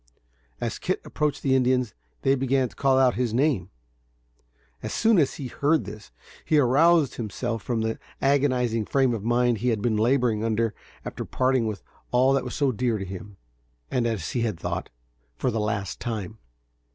As Kit approached the Indians, they began to call out his name. As soon as he heard this, he aroused himself from the agonizing frame of mind he had been laboring under after parting with all that was so dear to him, and as he had thought, for the last time.